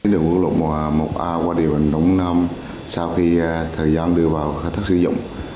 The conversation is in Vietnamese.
điều hư hỏng một a qua điều hành động năm sau khi thời gian đưa vào khai thác sử dụng